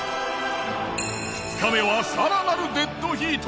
２日目は更なるデッドヒート。